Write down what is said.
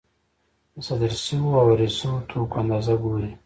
د صادر شویو او وارد شویو توکو اندازه ګوري